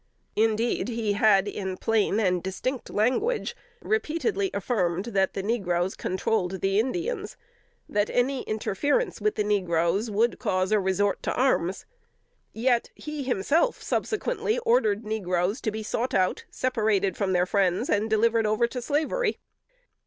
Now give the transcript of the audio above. Indeed, he had in plain and distinct language repeatedly affirmed that the negroes controlled the Indians; that any interference with the negroes would cause a resort to arms; yet he himself subsequently ordered negroes to be sought out, separated from their friends, and delivered over to slavery.